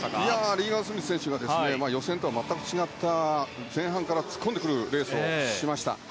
リーガン・スミス選手が予選とは全く違って前半から突っ込んでくるレースをしました。